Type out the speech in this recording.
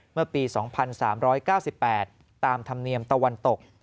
เมื่อปี๒๓๙๘ตามธรรมเนียมตะวันตก